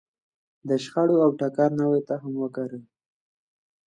د شخړو او ټکر نوی تخم وکره.